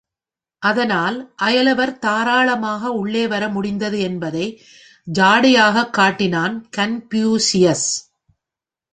அதனால் அயலார் தாராளமாக உள்ளே வர முடிந்தது என்பதை ஜாடையாகக் காட்டினான் கன்பூஷியஸ்.